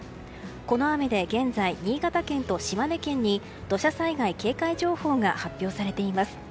この雨で現在、新潟県と島根県に土砂災害警戒情報が発表されています。